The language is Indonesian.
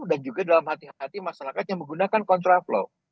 dan juga dalam hati hati masyarakat yang menggunakan kontraflow